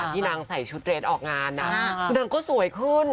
ที่นางใส่ชุดเรทออกงานคือนางก็สวยขึ้น